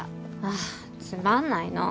あつまんないの。